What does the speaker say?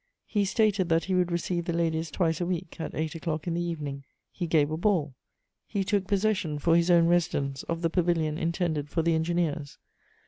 He stated that he would receive the ladies twice a week, at eight o'clock in the evening. He gave a ball. He took possession, for his own residence, of the pavilion intended for the engineers.